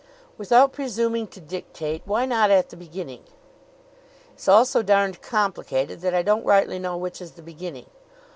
"Without presuming to dictate, why not at the beginning?" "It's all so darned complicated that I don't rightly know which is the beginning.